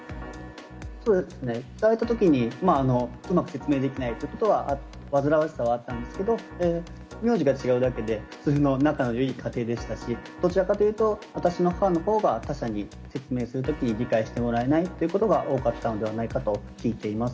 そうですね、聞かれたときに、うまく説明できないということは、煩わしさはあったんですけど、名字が違うだけ普通の仲のよい家庭でしたし、どちらかというと、私の母のほうが他者に説明するときに理解してもらえないということのほうが多かったのではないかと聞いています。